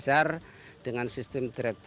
di tengah pandemi covid sembilan belas